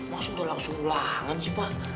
masuk udah langsung ulangan sih pak